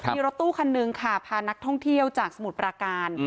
มีรถตู้คันหนึ่งค่ะพานักท่องเที่ยวจากสมุทรปราการ